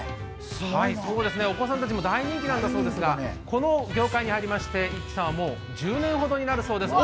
お子さんたちにも大人気なんだそうですが、この業界に入りましてＩｋｋｉさんはもう１０年ほどになるそうです。